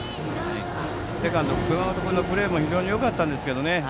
セカンド熊本君のプレーも非常によかったんですけどね。